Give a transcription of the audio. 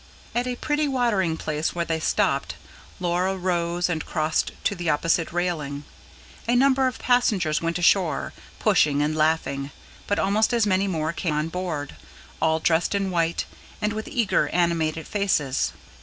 At a pretty watering place where they stopped, Laura rose and crossed to the opposite railing. A number of passengers went ashore, pushing and laughing, but almost as many more came on board, all dressed in white, and with eager, animated faces.